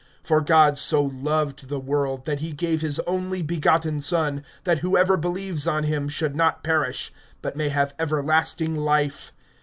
(16)For God so loved the world, that he gave his only begotten Son, that whoever believes on him, should not perish, but may have everlasting life.